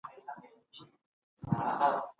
د سترګو تور، د زړګـــي زور، د ميني اوردی ياره